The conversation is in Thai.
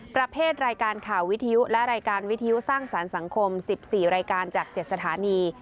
ประเภทรายการข่าววิทยุและรายการวิทยุสร้างสรรค์สังคม๑๔รายการจาก๗สถานี